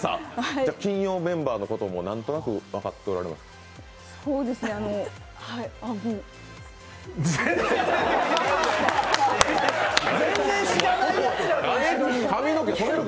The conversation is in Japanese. じゃあ、金曜メンバーのこともなんとなく分かっておられますか。